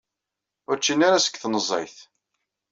Ur ččin ara seg tnezzayt.